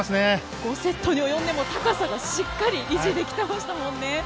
５セットに及んでも高さがしっかり維持できてましたもんね。